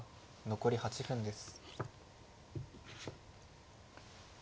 残り８分です。